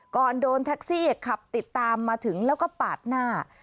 ก่อนโดนแท็กซี่ขับติดตามมาถึงแล้วก็ปาดหน้า